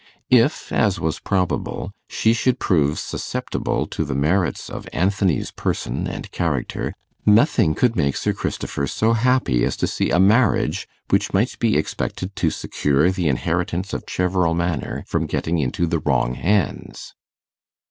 If, as was probable, she should prove susceptible to the merits of Anthony's person and character, nothing could make Sir Christopher so happy as to see a marriage which might be expected to secure the inheritance of Cheverel Manor from getting into the wrong hands.